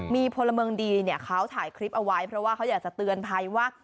มีพลเมืองดีเนี่ยเขาถ่ายคลิปเอาไว้เพราะว่าเขาอยากจะเตือนภัยว่า